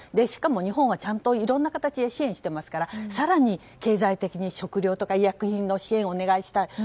しかも日本はちゃんといろんな形で支援していますから更に経済的に食料とか医薬品の支援をお願いしたい。